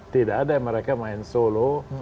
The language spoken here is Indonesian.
tidak ada mereka main solo